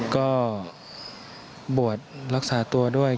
ก็บวชรักษาตัวด้วย